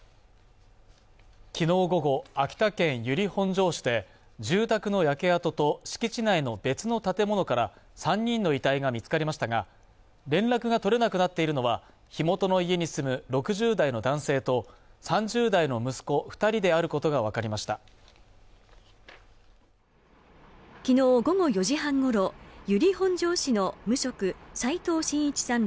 きのう午後、秋田県由利本荘市で住宅の焼け跡と敷地内の別の建物から３人の遺体が見つかりましたが連絡が取れなくなっているのは火元の家に住む６０代の男性と３０代の息子二人であることが分かりました昨日、午後４時半ごろ由利本荘市の無職齋藤真一さん